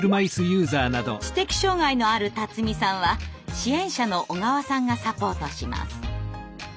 知的障害のある辰己さんは支援者の小川さんがサポートします。